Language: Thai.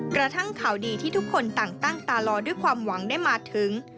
กระทั่งข่าวดีที่ทุกคนต่างตั้งตารอด้วยความหวังได้มาถึง